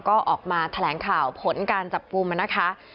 ก็ออกมาแถลงข่าวผลการจับกลุ่มนะคะ